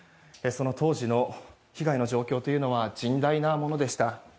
その当時の被害状況というのは甚大なものでした。